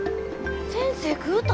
先生食うた。